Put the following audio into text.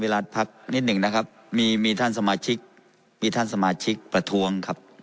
วิรัตน์ครับนิดนึงนะครับมีท่านสมาชิกบะท้วง